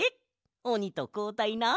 おにとこうたいな！